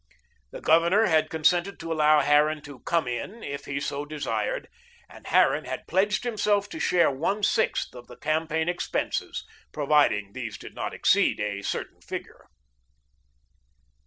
The Governor had consented to allow Harran to "come in," if he so desired, and Harran had pledged himself to share one sixth of the campaign expenses, providing these did not exceed a certain figure.